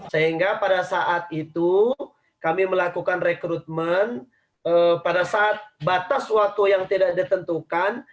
sehingga pada saat itu kami melakukan rekrutmen pada saat batas waktu yang tidak ditentukan